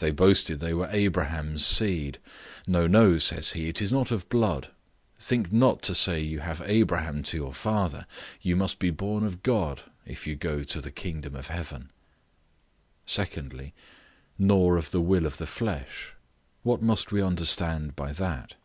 They boasted they were Abraham's seed. No, no, says he, it is not of blood; think not to say you have Abraham to your father, you must be born of God if you go to the kingdom of heaven. Secondly, "Nor of the will of the flesh." What must we understand by that?